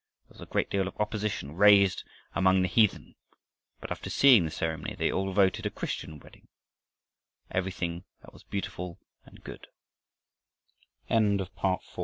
There was a great deal of opposition raised among the heathen, but after seeing the ceremony, they all voted a Christian wedding everything that was beautiful